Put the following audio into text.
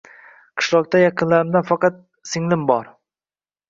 Qishloqda yaqinlarimdan faqat singlim bor